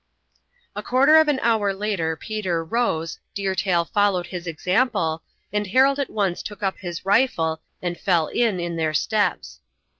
A quarter of an hour later Peter rose, Deer Tail followed his example, and Harold at once took up his rifle and fell in in their steps.